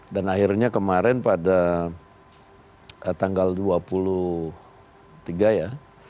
dan akhirnya kemarin pada tanggal dua puluh tiga ya